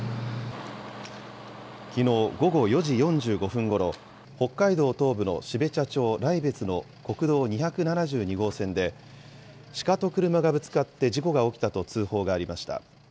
きのう午後４時４５分ごろ、北海道東部の標茶町雷別の国道２７２号線で、シカと車がぶつかって事故が起きたと通報がありました。